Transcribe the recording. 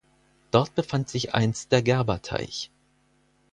Dort befand sich einst der Gerberteich.